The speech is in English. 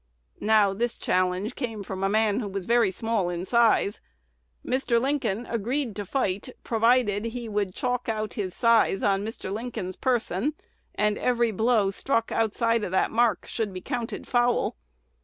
Now, this challenge came from a man who was very small in size. Mr. Lincoln agreed to fight, provided he would chalk out his size on Mr. Lincoln's person, and every blow struck outside of that mark should be counted foul.